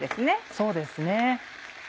そうですね。